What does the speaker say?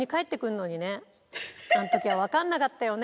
あの時はわかんなかったよね